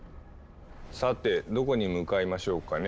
さてどこに向かいましょうかね？